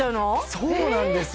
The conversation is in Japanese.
そうなんです！